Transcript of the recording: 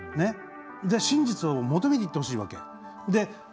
真実を求めにいってほしい。